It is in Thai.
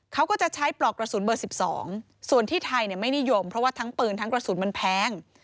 เขาก็จะใช้ปลอกกระสุนเบอร์๑๒ส่วนที่ไทยไม่นิยมเพราะว่าทั้งปืนทั้งกระสุนมันแพง